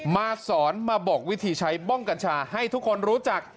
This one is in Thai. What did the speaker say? มาสอนมาบอกวิธีใช้บ้องกัญชาให้ทุกคนรู้จัก